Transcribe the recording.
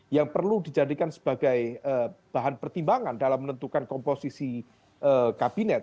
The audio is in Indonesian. yang perlu dijadikan sebagai bahan pertimbangan dalam menentukan komposisi kabinet